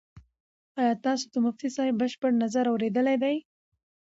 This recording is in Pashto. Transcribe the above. ایا تاسو د مفتي صاحب بشپړ نظر اورېدلی دی؟